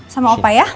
sama opa ya